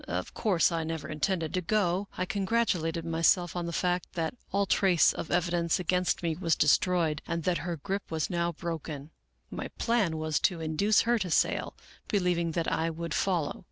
Of course I never intended to go. I con gratulated myself on the fact that all trace of evidence against me was destroyed and that her grip was now broken. My plan was to induce her to sail, believing that I would follow.